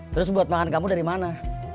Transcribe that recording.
terus buat pangan kamu dari mana